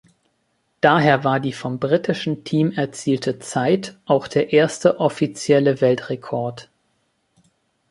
Daher war die vom britischen Team erzielte Zeit auch der erste offizielle Weltrekord.